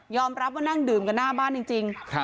รับว่านั่งดื่มกันหน้าบ้านจริง